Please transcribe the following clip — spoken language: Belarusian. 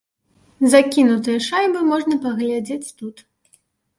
Закінутыя шайбы можна паглядзець тут.